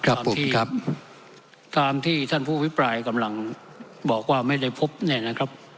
ตอนที่ครับตามที่ท่านผู้อภิปรายกำลังบอกว่าไม่ได้พบเนี่ยนะครับ